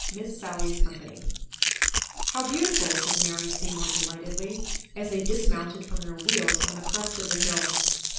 Miss Sally's CompanyToC "How beautiful!" said Mary Seymour delightedly, as they dismounted from their wheels on the crest of the hill.